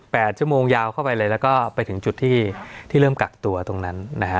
ชั่วโมงยาวเข้าไปเลยแล้วก็ไปถึงจุดที่ที่เริ่มกักตัวตรงนั้นนะฮะ